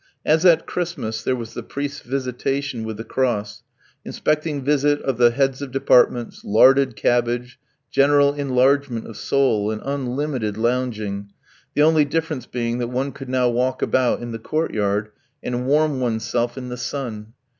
As at Christmas there was the priest's visitation with the cross, inspecting visit of the heads of departments, larded cabbage, general enlargement of soul, and unlimited lounging, the only difference being, that one could now walk about in the court yard, and warm oneself in the sun.